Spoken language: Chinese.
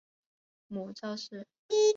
母赵氏。